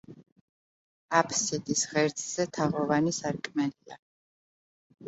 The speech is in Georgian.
აფსიდის ღერძზე თაღოვანი სარკმელია.